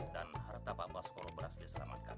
dan harta pak bas kalau berhasil diselamatkan